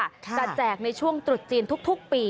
แจกในช่วงตรุษจีนทุกปี